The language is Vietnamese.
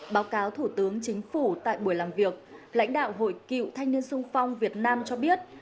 báo cáo thủ tướng chính phủ tại buổi làm việc lãnh đạo hội cựu thanh niên sung phong việt nam cho biết